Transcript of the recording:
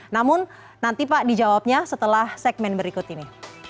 namun nanti pak dijawabnya setelah segmen berikut ini